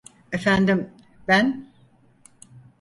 Efendim, ben…